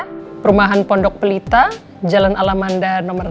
ya perumahan pondok pelita jalan alamanda nomor lima